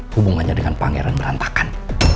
hubungannya dengan pangeran berantakan